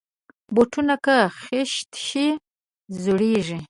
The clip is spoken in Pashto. بوټونه که خیشت شي، زویږي.